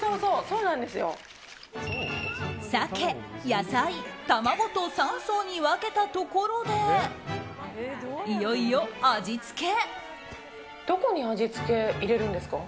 鮭、野菜、卵と３層に分けたところでいよいよ味付け。